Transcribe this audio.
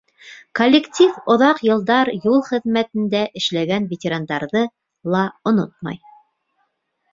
Коллектив оҙаҡ йылдар юл хеҙмәтендә эшләгән ветерандарҙы ла онотмай.